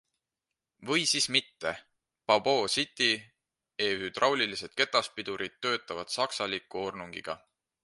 Või siis mitte - Babboe City E hüdraulilised ketaspidurid töötavad saksaliku ornungiga.